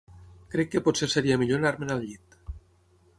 Crec que potser seria millor anar-me'n al llit.